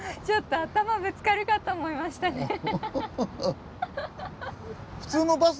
ちょっと頭ぶつかるかと思いましたね。